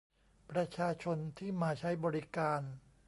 ประชาชนที่มาใช้บริการ